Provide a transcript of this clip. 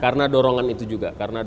karena dorongan itu juga